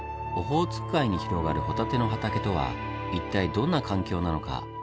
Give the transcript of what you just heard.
オホーツク海に広がるホタテの畑とは一体どんな環境なのか？